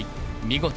見事